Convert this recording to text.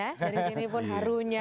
dari sini pun harunya